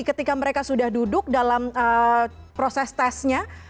ketika mereka sudah duduk dalam proses tesnya